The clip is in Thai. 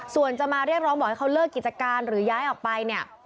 ส่วนจะมาเรียกร้องบอกให้เขาเลิกกิจการหรือย้ายออกไปเนี่ย